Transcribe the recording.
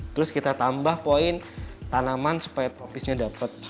terus kita tambah poin tanaman supaya tropisnya dapat